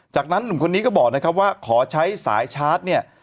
จากนั้นหนุ่มคนนี้ก็บอกนะครับว่าขอใช้สายชาร์จเนี่ย